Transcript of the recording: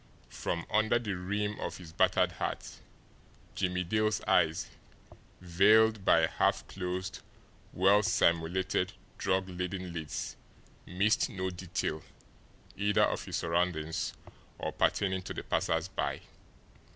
From under the rim of his battered hat, Jimmie Dale's eyes, veiled by half closed, well simulated drug laden lids, missed no detail either of his surroundings or pertaining to the passers by.